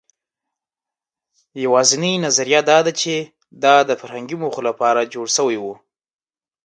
یواځینۍ نظریه دا ده، چې دا د فرهنګي موخو لپاره جوړ شوي وو.